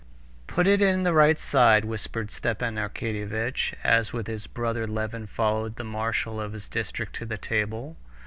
"Put it in the right side," whispered Stepan Arkadyevitch, as with his brother Levin followed the marshal of his district to the table.